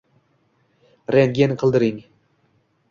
Rentgen qildiring.